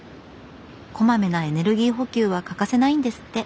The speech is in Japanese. こまめなエネルギー補給は欠かせないんですって。